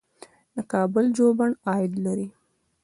د کابل ژوبڼ عاید لري